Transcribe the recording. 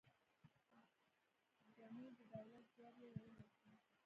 ګنې د دولت ځواب یې ویلای شو.